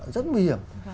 rất nguy hiểm